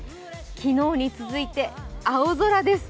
昨日に続いて青空です。